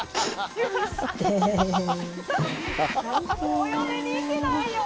お嫁に行けないよ！